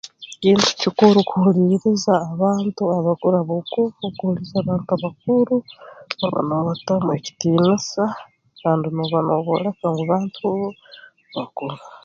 Kintu kikuru kuhuuliiriza abantu abakuru habwokuba obu okuhuliiriza abantu abakuru nooba noobatamu ekitiinisa kandi nooba noobooleka ngu bantu bakura